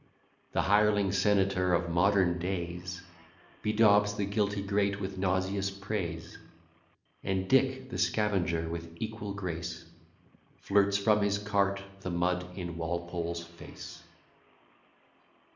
The hireling senator of modern days Bedaubs the guilty great with nauseous praise: And Dick, the scavenger, with equal grace Flirts from his cart the mud in Walpole's face.